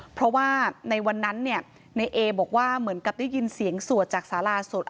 เพราะว่าในวันนั้นเนี่ยในเอบอกว่าเหมือนกับได้ยินเสียงสวดจากสาราสด